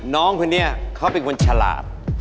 น้องคนนี้เขาเป็นคนฉลาด